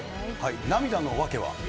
涙の訳は。